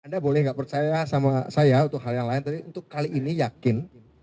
anda boleh nggak percaya sama saya untuk hal yang lain tapi untuk kali ini yakin